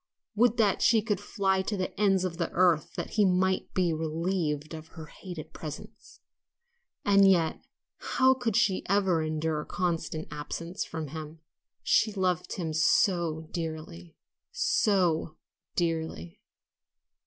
would that she could fly to the ends of the earth that he might be relieved of her hated presence. And yet oh, how could she ever endure constant absence from him? She loved him so dearly, so dearly!